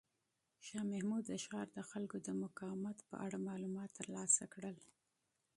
شاه محمود د ښار د خلکو د مقاومت په اړه معلومات ترلاسه کړل.